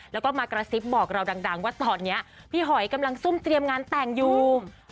แล้วก็มากระซิบบอกเราดังว่าตอนนี้พี่หอยกำลังซุ่มเตรียมงานแต่งอยู่